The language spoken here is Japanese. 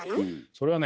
それはね